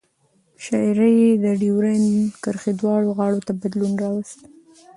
شاعري یې د ډیورند کرښې دواړو غاړو ته بدلون راوست.